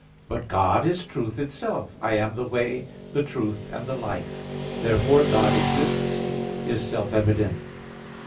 But God is truth itself: "I am the way, the truth, and the life" (John 14:6) Therefore "God exists" is self evident.